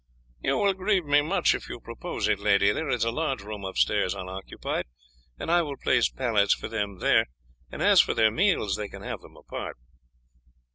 "You will grieve me much if you propose it, lady. There is a large room upstairs unoccupied, and I will place pallets for them there; and as for their meals they can have them apart."